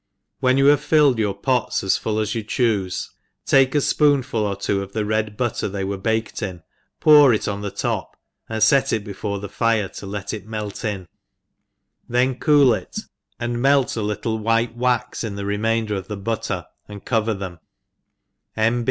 When you have filled your pots as full as you choofe, take a fpoonful or two of the red butter they were baked in, pour it on the top, and fet it before the fire to let it melt in, then cool it, and melt a: little E white I Sm THE EXPERIENCED white vrix in the remainder of the butter, and cover them,' N.